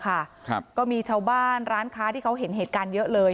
ครับก็มีชาวบ้านร้านค้าที่เขาเห็นเหตุการณ์เยอะเลย